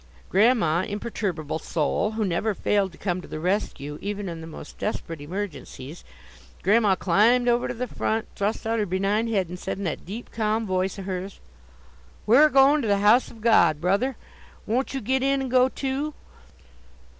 Grandma, imperturbable soul! who never failed to come to the rescue even in the most desperate emergencies Grandma climbed over to the front, thrust out her benign head, and said in that deep, calm voice of hers: "We're a goin' to the house of God, brother; won't you git in and go too?"